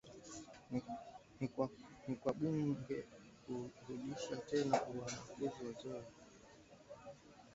ni kwa bunge kurudisha tena uwamuzi wa Roe V Wade